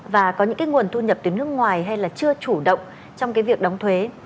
và có những cái nguồn thu nhập từ nước ngoài hay là chưa chủ động trong cái việc đóng thuế